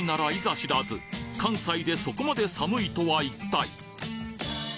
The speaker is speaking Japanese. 知らず関西でそこまで寒いとは一体？